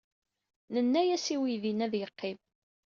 Nenna-as i weydi-nni ad yeqqim.